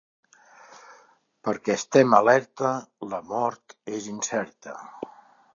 Perquè estem alerta, la mort és incerta.